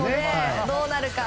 どうなるか。